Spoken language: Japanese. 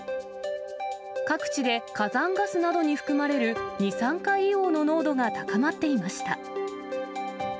各地で火山ガスなどに含まれる二酸化硫黄の濃度が高まっていました。